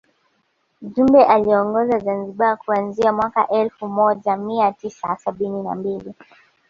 Jumbe aliiongoza Zanzibar kuanzia mwaka elfu moja mia tisa sabini na mbili